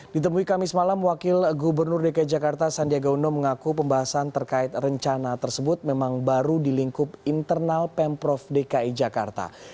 ditemui kami semalam wakil gubernur dki jakarta sandiaga undo mengaku pembahasan terkait rencana tersebut memang baru dilingkup internal pemprov dki jakarta